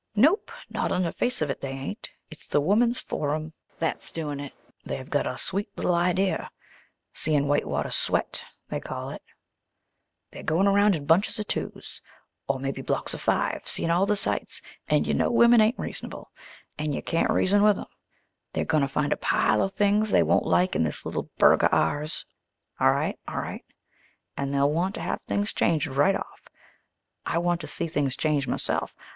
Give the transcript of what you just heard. "Nope; not on the face of it they ain't. It's the Woman's Forum that's doin' this. They've got a sweet little idea. 'Seein' Whitewater Sweat' they call it. "They're goin' around in bunches of twos, or mebbe blocks o' five, seein' all the sights; an' you know women ain't reasonable, an' you can't reason with them. They're goin' to find a pile o' things they won't like in this little burg o' ours, all right, all right. An' they'll want to have things changed right off. I want to see things changed m'self.